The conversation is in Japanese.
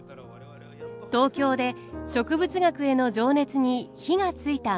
東京で植物学への情熱に火がついた万太郎。